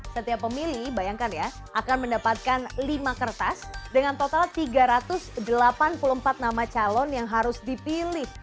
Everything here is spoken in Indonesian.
setiap pemilih bayangkan ya akan mendapatkan lima kertas dengan total tiga ratus delapan puluh empat nama calon yang harus dipilih